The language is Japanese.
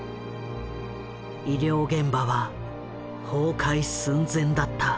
医療現場は崩壊寸前だった。